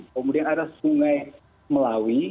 kemudian ada sungai melawi